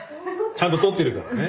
ちゃんと撮ってるからね。